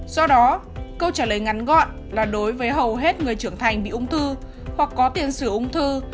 do đó câu trả lời ngắn gọn là đối với hầu hết người trưởng thành bị ung thư hoặc có tiền sử ung thư